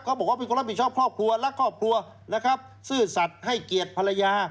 บอกว่าเป็นคนรับผิดชอบครอบครัวและครอบครัวนะครับซื่อสัตว์ให้เกียรติภรรยา